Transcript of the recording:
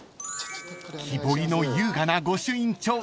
［木彫りの優雅な御朱印帳